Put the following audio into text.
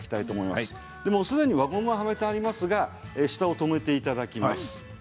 すでに輪ゴムがはめてありますが下を留めていただきます。